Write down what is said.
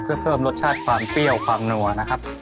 เพื่อเพิ่มรสชาติความเปรี้ยวความหนัวนะครับ